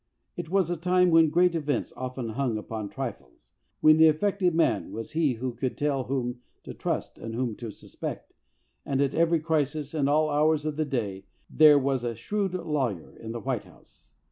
It was a time when great events often hung upon trifles, when the effective man was he who could tell whom to trust and whom to suspect, and at every crisis and all hours of the day there was a shrewd lawyer in the White House.